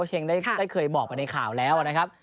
เมื่อเราไปบอกในข่าวแล้วนะครับ